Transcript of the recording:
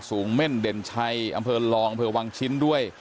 เม่นเด่นชัยอำเภอลองอำเภอวังชิ้นด้วย